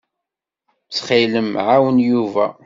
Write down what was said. Ttxil-m, ɛawen Yuba.